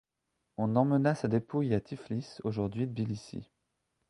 On emmena sa dépouille à Tiflis, aujourd'hui Tbilissi.